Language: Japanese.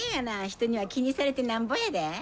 人には気にされてなんぼやで。